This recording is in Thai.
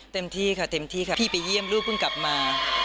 เต็มที่ค่ะเต็มที่ค่ะพี่ไปเยี่ยมลูกเพิ่งกลับมา